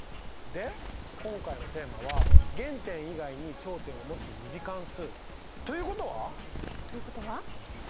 で今回のテーマは「原点以外に頂点をもつ２次関数」ということは。ということは？